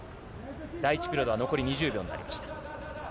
第１ピリオドは残り２０秒になりました。